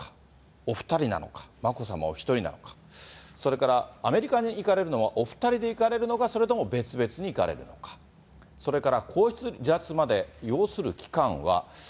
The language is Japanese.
お２人なのか、眞子さまお１人なのか、それからアメリカに行かれるのは、お２人で行かれるのか、それとも別々に行かれるのか、それから皇室離脱するまで要する期間は？